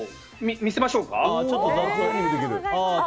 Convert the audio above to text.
見せましょうか？